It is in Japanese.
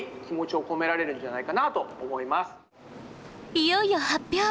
いよいよ発表。